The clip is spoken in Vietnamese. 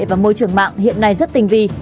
và môi trường mạng hiện nay rất tình vi